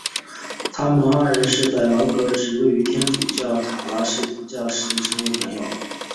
他们二人是在格劳任职于天主教塔拉戈纳总教区时成为朋友。